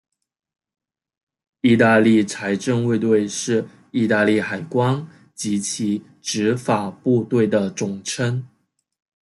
意大利财政卫队是意大利海关及其执法部队的总称。